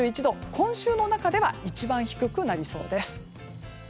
今週の中では一番低くなりそうです。